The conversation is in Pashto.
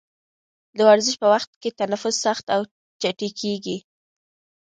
د ورزش په وخت کې تنفس سخت او چټکېږي.